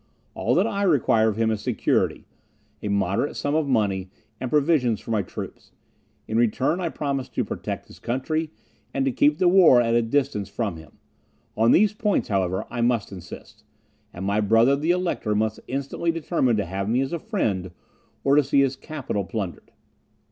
All that I require of him is security, a moderate sum of money, and provisions for my troops; in return, I promise to protect his country, and to keep the war at a distance from him. On these points, however, I must insist; and my brother, the Elector, must instantly determine to have me as a friend, or to see his capital plundered."